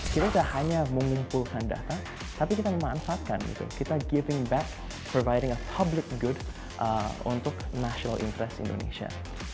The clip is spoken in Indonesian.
kita tidak hanya mengumpulkan data tapi kita memanfaatkan kita giving bet proviring a public good untuk national interest indonesia